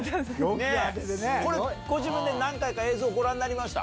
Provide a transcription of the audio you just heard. これ、ご自分で何回か映像、ご覧になりました？